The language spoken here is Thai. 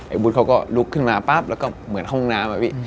วุฒิเขาก็ลุกขึ้นมาปั๊บแล้วก็เหมือนห้องน้ำอะพี่